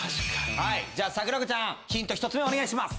じゃあさくらこちゃんヒント１つ目お願いします。